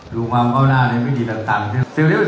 ดูความจะเข้าหน้าสมัยพี่กิจตำรวจ